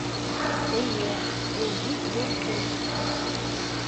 Эйе, ул бик ҙур көс.